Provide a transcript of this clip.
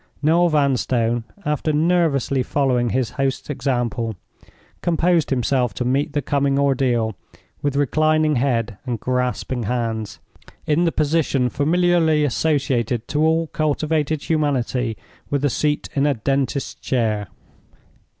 Noel Vanstone, after nervously following his host's example, composed himself to meet the coming ordeal, with reclining head and grasping hands, in the position familiarly associated to all civilized humanity with a seat in a dentist's chair.